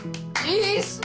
いいっす！